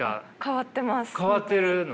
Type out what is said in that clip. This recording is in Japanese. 変わってるの。